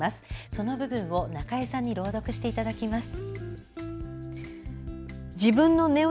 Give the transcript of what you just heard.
その部分を中江さんに朗読してもらいます。